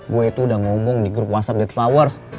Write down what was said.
gue tuh udah ngomong di grup whatsapp deadflowers